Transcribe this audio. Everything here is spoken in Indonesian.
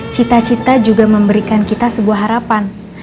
cita cita juga memberikan kita sebuah harapan